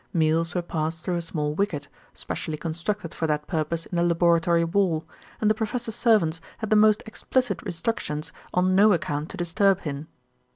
Meals were passed through a small wicket, specially constructed for that purpose in the laboratory wall, and the professor's servants had the most explicit instructions on no account to disturb him.